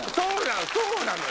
そうなのよ。